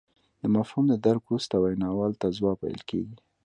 د مفهوم د درک وروسته ویناوال ته ځواب ویل کیږي